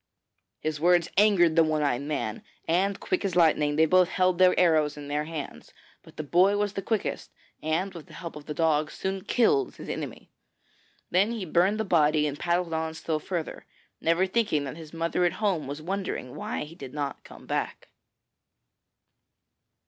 His words angered the one eyed man, and, quick as lightning, they both held their arrows in their hands; but the boy was the quickest, and with the help of the dog, soon killed his enemy. Then he burned the body, and paddled on still further, never thinking that his mother at home was wondering why he did not come back.